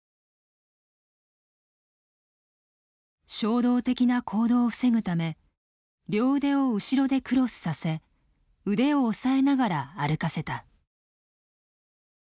衝動的な行動を防ぐため両腕を後ろでクロスさせ腕を押さえながら歩かせた。